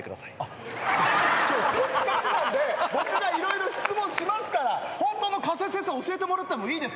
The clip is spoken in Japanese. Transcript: じゃあ今日せっかくなんで僕が色々質問しますからホントの加瀬先生教えてもらってもいいですか？